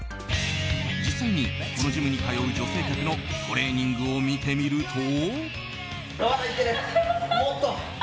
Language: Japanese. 実際にこのジムに通う女性客のトレーニングを見てみると。